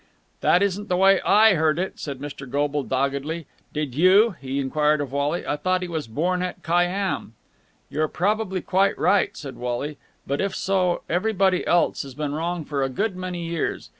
"That wasn't the way I heard it," said Mr. Goble doggedly. "Did you?" he enquired of Wally. "I thought he was born at Khayyám." "You're probably quite right," said Wally, "but, if so, everybody else has been wrong for a good many years.